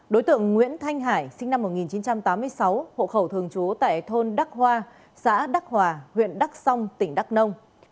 đối tượng nguyễn thanh hải sinh năm một nghìn chín trăm tám mươi sáu hộ khẩu thường trú tại thôn đắc hoa xã đắc hòa huyện đắk song tỉnh đắk nông